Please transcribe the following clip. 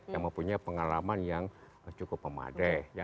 yang mempunyai pengalaman yang cukup memadai